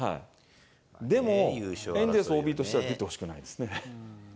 でもエンゼルスＯＢとしては出てほしくないですね。